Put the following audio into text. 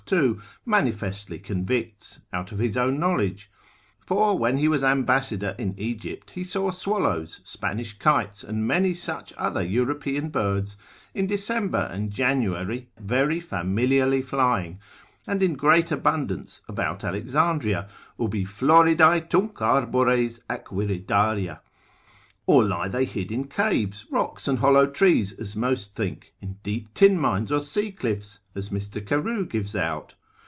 2. manifestly convicts, out of his own knowledge; for when he was ambassador in Egypt, he saw swallows, Spanish kites, and many such other European birds, in December and January very familiarly flying, and in great abundance, about Alexandria, ubi floridae tunc arbores ac viridaria. Or lie they hid in caves, rocks, and hollow trees, as most think, in deep tin mines or sea cliffs, as Mr. Carew gives out?